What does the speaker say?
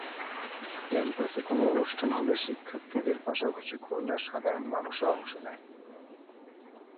ক্যাম্পাসে কোনো অনুষ্ঠান হলে শিক্ষার্থীর পাশাপাশি খুলনার সাধারণ মানুষও অংশ নেয়।